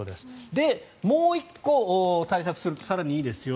で、もう１個、対策すると更にいいですよ。